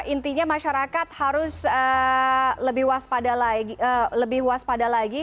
intinya masyarakat harus lebih waspada lagi